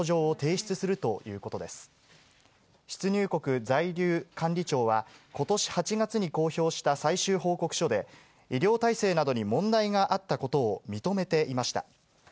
出入国在留管理庁は、ことし８月に公表した最終報告書で、医療体制などに問題があったことを認めていました。